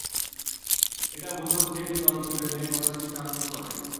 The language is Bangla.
এটা ভূত্বক থেকে জল তুলে নেয়, বাতাসকে আদ্র করে।